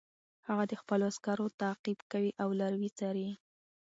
هغه د خپلو عسکرو تعقیب کوي او لاروي څاري.